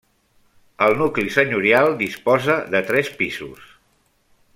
El nucli senyorial disposa de tres pisos.